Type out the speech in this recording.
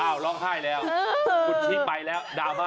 อ้าวร้องไห้แล้ว